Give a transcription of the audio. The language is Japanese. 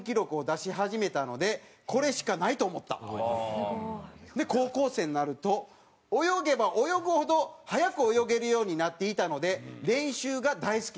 すごい！で高校生になると「泳げば泳ぐほど速く泳げるようになっていたので練習が大好きだった」